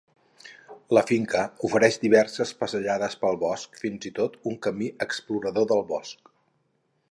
La finca ofereix diverses passejades pel bosc, fins i tot un camí "Explorador del bosc".